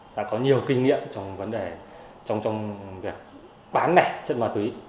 đã có nhiều kinh nghiệm trong vấn đề trong việc bán lẻ chất ma túy